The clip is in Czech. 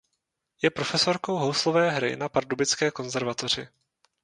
Je profesorkou houslové hry na pardubické konzervatoři.